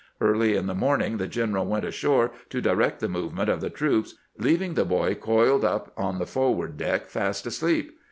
Early in the morning the general went ashore to direct the movement of the troops, leaving the boy coiled up on the forward deck fast asleep.